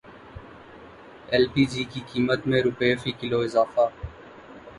L P G کی قیمت میں روپے فی کلو اضافہ